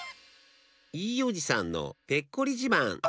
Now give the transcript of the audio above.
いいおじさんのペッコリじまん。